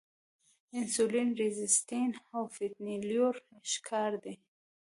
انسولین ريزسټنس او فېټي لیور ښکار دي -